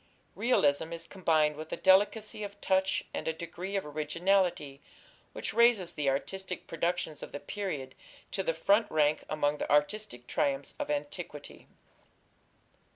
Realism is combined with a delicacy of touch and a degree of originality which raises the artistic productions of the period to the front rank among the artistic triumphs of antiquity.